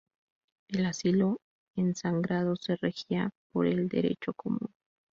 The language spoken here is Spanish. El asilo en sagrado se regía por el derecho común.